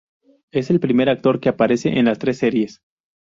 Es el primer actor que aparece en las tres series.